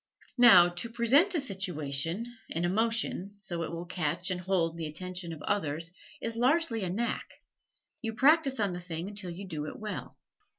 Now, to present a situation, an emotion, so it will catch and hold the attention of others, is largely a knack you practise on the thing until you do it well.